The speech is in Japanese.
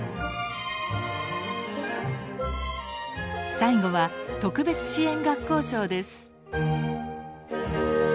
最後は特別支援学校賞です。